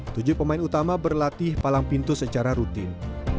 tujuh pemain utama berlatih palang pintu secara rutin